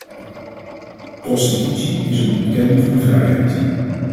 Prostitutie is een ontkenning van de vrijheid.